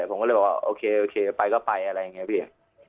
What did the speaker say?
ผมก็เลยบอกว่าโอเคโอเคไปก็ไปอะไรอย่างนี้พี่